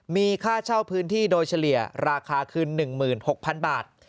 มีค่าเช่าพื้นที่โดยเฉลี่ยราคาคืน๑๖๐๐๐บาท